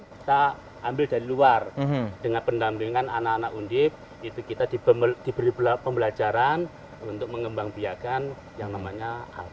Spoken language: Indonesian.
kita ambil dari luar dengan pendampingan anak anak undib itu kita diberi pembelajaran untuk mengembang biaya